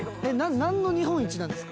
なんの日本一なんですか？